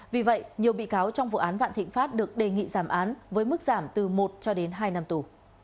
vì vậy nhiều bị cáo trong vụ án vạn thịnh pháp được đề nghị giảm án với mức giảm từ một cho đến hai năm tù